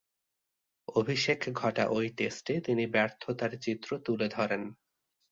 অভিষেক ঘটা ঐ টেস্টে তিনি ব্যর্থতার চিত্র তুলে ধরেন।